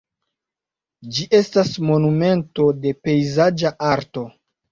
Ĝi estas monumento de pejzaĝa arto.